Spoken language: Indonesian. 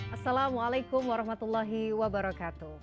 assalamualaikum warahmatullahi wabarakatuh